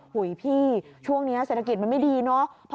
หุยพี่ช่วงนี้เศรษฐกิจมันไม่ดีเนาะ